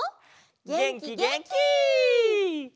げんきげんき！